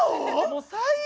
もう最悪！